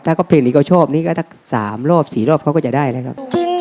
ถ้าเพลงนี้เขาชอบนี่ก็สามรอบสี่รอบเขาก็จะได้เลยครับ